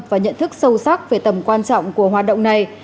và nhận thức sâu sắc về tầm quan trọng của hoạt động này